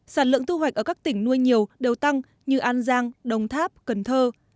sản lượng thu hoạch ở các tỉnh nuôi nhiều đều tăng như an giang đồng tháp cần thơ